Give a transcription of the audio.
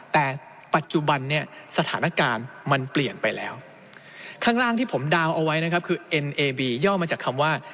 แต่ปัจจุบันเนี่ยสถานการณ์มันเปลี่ยนไปแล้ว